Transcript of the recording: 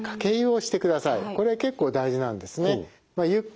これ結構大事なんですね。